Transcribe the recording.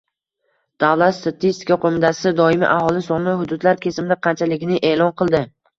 Davlat statistika qo‘mitasi doimiy aholi soni hududlar kesimida qanchaligini e’lon qildi